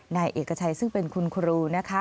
นายเอกชัยซึ่งเป็นคุณครูนะคะ